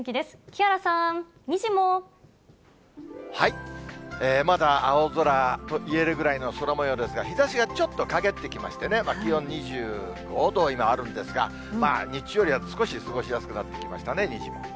木原さん、まだ青空と言えるぐらいの空もようですが、日ざしがちょっと陰ってきましてね、気温２５度、今あるんですが、日中よりは少し過ごしやすくなってきましたね、にじモ。